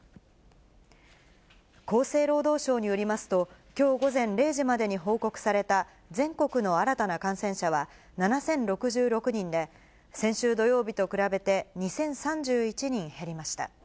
厚生労働省によりますと、きょう午前０時までに報告された全国の新たな感染者は７０６６人で、先週土曜日と比べて２０３１人減りました。